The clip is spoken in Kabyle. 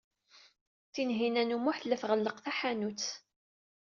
Tinhinan u Muḥ tella tɣelleq taḥanut.